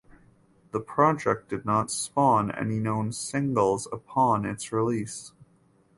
The project did not spawn any known singles upon its release.